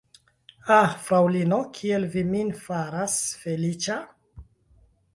Ha, fraŭlino, kiel vi min faras feliĉa!